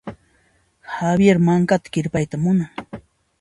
Javier mankata kirpayta munan.